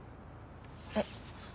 えっ？